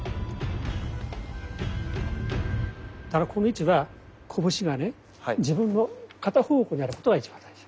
ただこの位置は拳がね自分の肩方向にあることが一番大事。